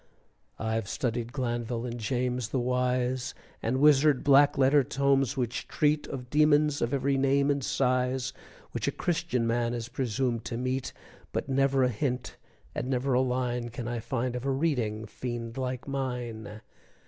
I've studied Glanville and James the wise. And wizard black letter tomes which treat Of demons of every name and size Which a Christian man is presumed to meet, But never a hint and never a line Can I find of a reading fiend like mine.